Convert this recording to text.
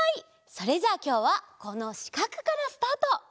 それじゃあきょうはこのしかくからスタート。